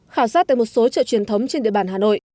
khảo sát tại một số chợ truyền thống trên địa bàn hà nội